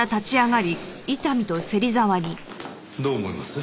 どう思います？